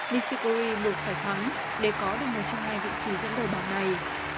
nishikori buộc phải thắng để có được một trong hai vị trí dẫn đầu bảng này